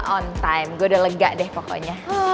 on time gue udah lega deh pokoknya